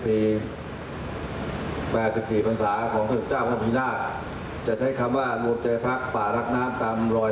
เพราะนั่นก็น่าจะเติมให้ทำหน่อย